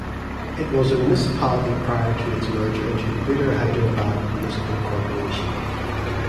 It was a municipality prior to its merger into the Greater Hyderabad Municipal Corporation.